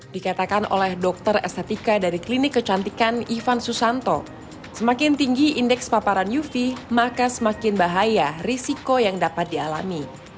dikatakan oleh dokter estetika dari klinik kecantikan ivan susanto semakin tinggi indeks paparan uv maka semakin bahaya risiko yang dapat dialami